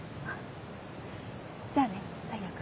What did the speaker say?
じゃあね太陽君。